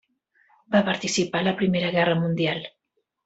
Va participar en la Primera Guerra Mundial.